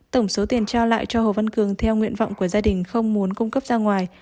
tổng số tiền trao lại cho hồ văn cường theo nguyện vọng của gia đình không muốn cung cấp ra ngoài